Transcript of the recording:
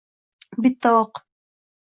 Bitta o’q.